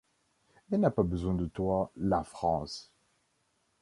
Elle n’a pas besoin de toi, la France !